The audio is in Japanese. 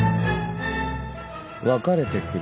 別れてくれ。